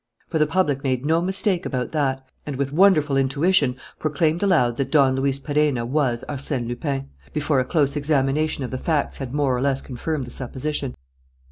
For the public made no mistake about that, and, with wonderful intuition, proclaimed aloud that Don Luis Perenna was Arsène Lupin, before a close examination of the facts had more or less confirmed the supposition.